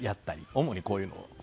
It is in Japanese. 主にこういうのを。